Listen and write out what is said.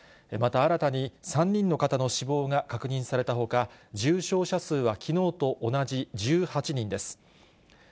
また、新たに３人の方の死亡が確認されたほか、重症者数はきのうと同じ１８人です。